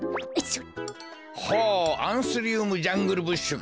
ほうアンスリウムジャングルブッシュか。